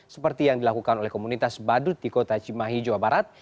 seperti yang dilakukan oleh komunitas badut di kota cimahi jawa barat